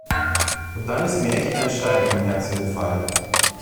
Und dann ist mir echt ein Stein vom Herzen gefallen.